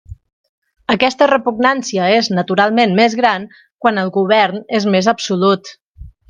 Aquesta repugnància és naturalment més gran quan el govern és més absolut.